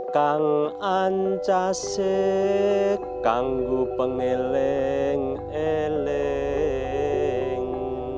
kau mencari aku pengeleng eleng